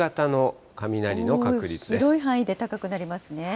広い範囲で高くなりますね。